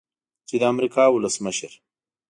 چې د امریکا ولسمشر